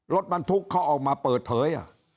รถบรรทุกเขาออกมาเปิดเผย